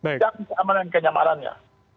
yang keamanan kenyamanannya